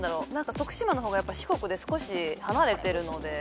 徳島の方が四国で少し離れてるので。